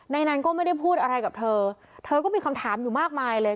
นายนันก็ไม่ได้พูดอะไรกับเธอเธอก็มีคำถามอยู่มากมายเลย